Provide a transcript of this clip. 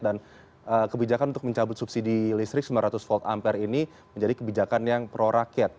dan kebijakan untuk mencabut subsidi listrik sembilan ratus volt ampere ini menjadi kebijakan yang prorakyat